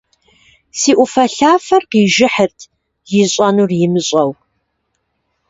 Си Ӏуфэлъафэр къижыхьырт, ищӀэнур имыщӀэу.